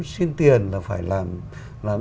xin tiền là phải làm